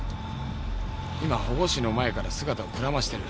今保護司の前から姿をくらましてる。